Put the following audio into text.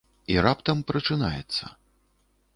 I раптам прачынаецца...